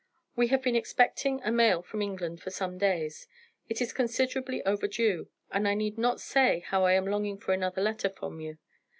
We have been expecting a mail from England for some days. It is considerably overdue, and I need not say how I am longing for another letter from you.